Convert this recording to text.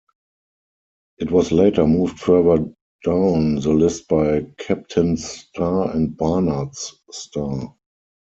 It was later moved further down the list by Kapteyn's Star and Barnard's Star.